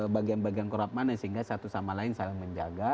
bagian bagian korup mana sehingga satu sama lain saling menjaga